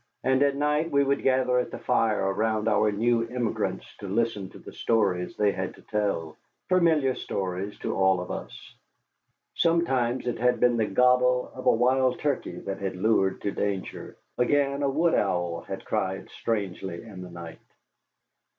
And at night we would gather at the fire around our new emigrants to listen to the stories they had to tell, familiar stories to all of us. Sometimes it had been the gobble of a wild turkey that had lured to danger, again a wood owl had cried strangely in the night.